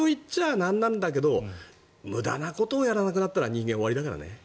なんなんだけど無駄なことをやらなくなったら人間、終わりだからね。